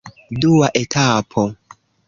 Dua etapo.